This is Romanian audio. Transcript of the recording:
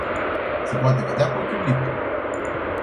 Se poate vedea cu ochiul liber.